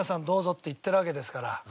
どうぞって言ってるわけですから。